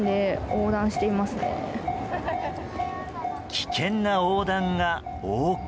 危険な横断が横行。